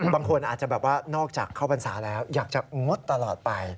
บางคนอาจจะแบบว่านอกจากเข้าพรรษาแล้วอยากจะงดตลอดไป